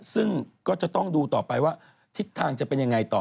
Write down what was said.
ซึ่งก็จะต้องดูต่อไปว่าทิศทางจะเป็นยังไงต่อ